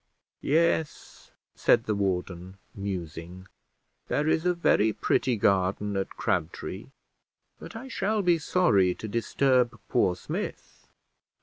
"Yes," said the warden, musing, "there is a very pretty garden at Crabtree; but I shall be sorry to disturb poor Smith."